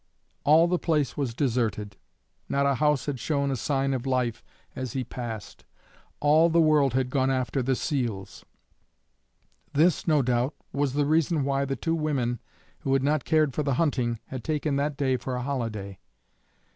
All the place was deserted; not a house had shown a sign of life as he passed. All the world had gone after the seals. This, no doubt, was the reason why the two women who had not cared for the hunting had taken that day for a holiday.